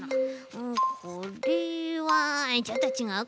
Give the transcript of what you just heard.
うんこれはちょっとちがうかな。